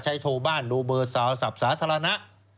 โทรบ้านดูเบอร์สาวศัพท์สาธารณะ